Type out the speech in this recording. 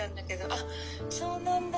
あっそうなんだ。